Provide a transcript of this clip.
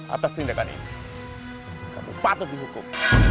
atas tindakan ini kami patut dihukum